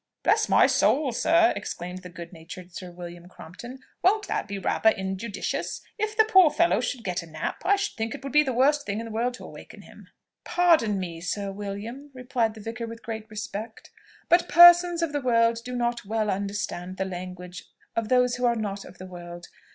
"Bless my soul, sir!" exclaimed the good natured Sir William Crompton; "won't that be rather injudicious? If the poor fellow should get a nap, I should think it would be the worst thing in the world to awaken him." "Pardon me, Sir William," replied the vicar with great respect, "but persons of the world do not well understand the language of those who are not of the world.